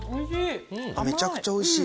めちゃくちゃおいしい。